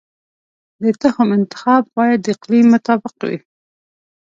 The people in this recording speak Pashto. د تخم انتخاب باید د اقلیم مطابق وي.